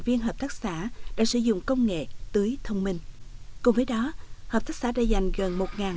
viên hợp tác xã đã sử dụng công nghệ tưới thông minh cùng với đó hợp tác xã đã dành gần một